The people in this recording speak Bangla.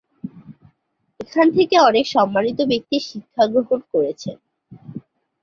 এখান থেকে অনেক সম্মানিত ব্যক্তি শিক্ষা গ্রহণ করেছেন।